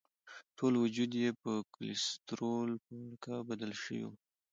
ټول وجود یې په کولسټرولو په غړکه بدل شوی وو.